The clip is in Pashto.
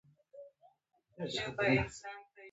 هغه د مينې په سترګو کې يو عجيب معصوميت وليد.